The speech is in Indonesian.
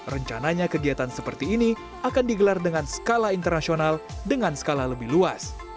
rencananya kegiatan seperti ini akan digelar dengan skala internasional dengan skala lebih luas